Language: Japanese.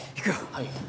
はい。